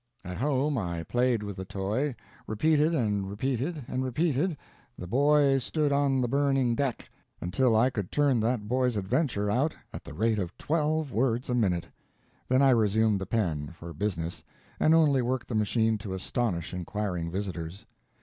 At home I played with the toy, repeating and repeating and repeating "The Boy stood on the Burning Deck," until I could turn that boy's adventure out at the rate of twelve words a minute; then I resumed the pen, for business, and only worked the machine to astonish inquiring visitors.